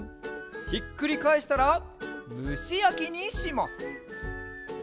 ひっくりかえしたらむしやきにします。